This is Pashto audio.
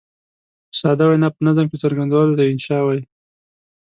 په ساده وینا په نظم کې څرګندولو ته انشأ وايي.